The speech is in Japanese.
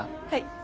はい。